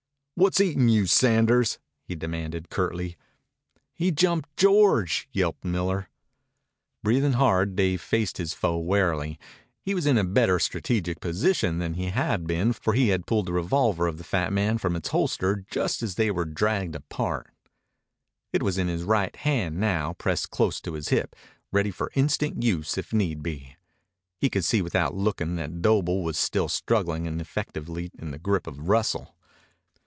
"What's eatin' you, Sanders?" he demanded curtly. "He jumped George!" yelped Miller. Breathing hard, Dave faced his foe warily. He was in a better strategic position than he had been, for he had pulled the revolver of the fat man from its holster just as they were dragged apart. It was in his right hand now, pressed close to his hip, ready for instant use if need be. He could see without looking that Doble was still struggling ineffectively in the grip of Russell.